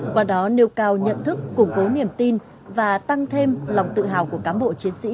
qua đó nêu cao nhận thức củng cố niềm tin và tăng thêm lòng tự hào của cám bộ chiến sĩ